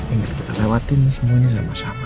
ingat kita lewatin semuanya sama sama